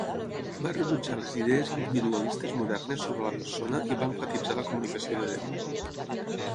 Va rebutjar les idees individualistes modernes sobre la persona i va emfatitzar la comunicació de Déu.